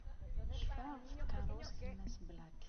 Yecfa ɣef tkeṛṛust n Mass Black.